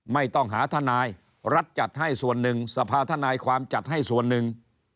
ไม่ต้องหาทนายรัฐจัดให้ส่วนหนึ่งสภาธนายความจัดให้ส่วนหนึ่ง